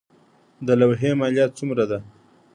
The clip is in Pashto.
د لوحې مالیه څومره ده؟